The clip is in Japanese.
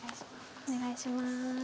お願いします